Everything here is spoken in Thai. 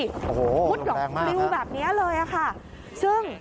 โอ้โฮแรงมากค่ะดูแบบนี้เลยค่ะซึ่ง